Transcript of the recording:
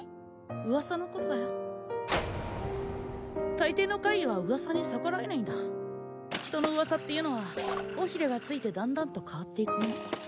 噂のことだよ大抵の怪異は噂に逆らえないんだ人の噂っていうのは尾ひれがついてだんだんと変わっていくもの